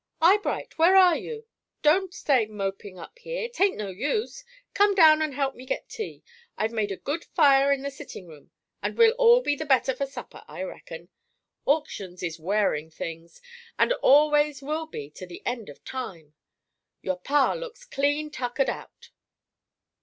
"Eyebright, where are you? Don't stay mopin' up here, 'tain't no use. Come down and help me get tea. I've made a good fire in the sittin' room, and we'll all be the better for supper, I reckon. Auctions is wearin' things, and always will be to the end of time. Your Pa looks clean tuckered out."